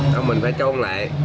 tao đi đứng ở đây